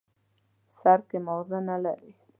سر کې ماغزه نه لري.